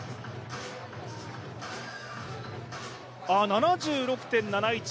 ７６．７１。